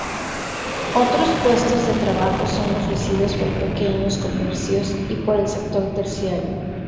Otros puestos de trabajo son ofrecidos por pequeños comercios y por el sector terciario.